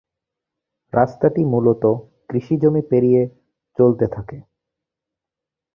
রাস্তাটি মুলত কৃষিজমি পেরিয়ে চলতে থাকে।